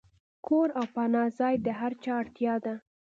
کور او پناه ځای د هر چا اړتیا ده.